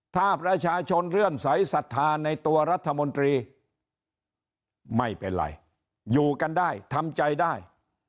ถ้าประชาชนเรื่องใสสัทธาในตัวรัฐมนตรีไม่เป็นไรอยู่กันได้ทำใจได้